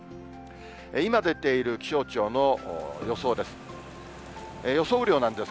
今、出ている気象庁の予想です。